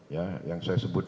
ya yang saya sebut